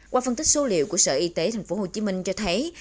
qua phân tích số liệu của sở y tế tp hcm cho thấy